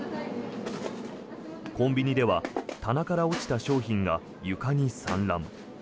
コンビニでは棚から落ちた商品が床に散乱。